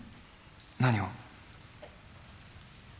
何を？